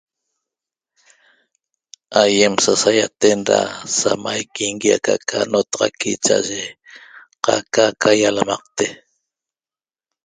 Aýem sasaýaten da samaiquingui aca'aca notaxaqui cha'aye qaca ca ýalamaqte